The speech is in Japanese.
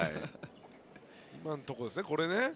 今のところですねこれね。